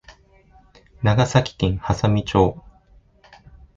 長崎県波佐見町